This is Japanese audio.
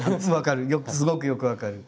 すごくよく分かる。